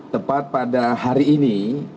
tepat pada hari ini